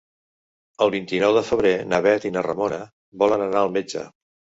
El vint-i-nou de febrer na Bet i na Ramona volen anar al metge.